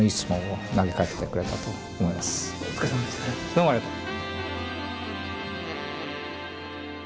どうもありがとう。